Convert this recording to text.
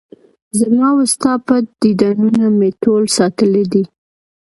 زما وستا پټ دیدنونه مې ټول ساتلي دي